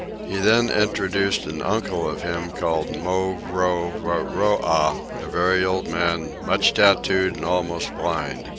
He then introduced an uncle of his called Mowworoah, a very old man much tattooed and almost blind.